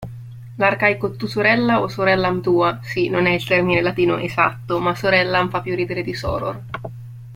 L'arcaico "tu sorella", o sorellam tua (sì, non è il termine latino esatto, ma "sorellam" fa più ridere di soror).